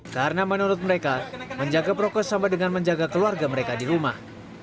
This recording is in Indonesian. karena menurut mereka menjaga prokes sama dengan menjaga keluarga mereka di rumah